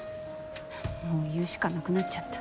はぁもう言うしかなくなっちゃった。